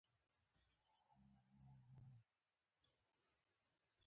د څو کورونو دروازې کوڅې ته راوتلې وې.